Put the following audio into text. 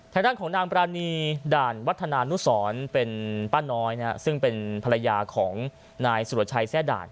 ทางด้านของนางปรานีด่านวัฒนานุสรเป็นป้าน้อยซึ่งเป็นภรรยาของนายสุรชัยแทร่ด่าน